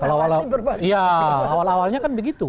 awal awalnya kan begitu